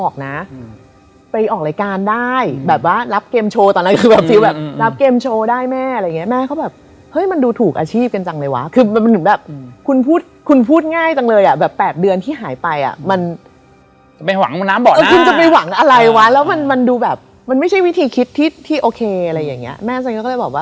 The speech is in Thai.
คือแบบถ้าพูดเบาก็ไม่ได้ยิน